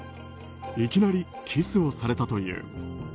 いきなりキスをされたという。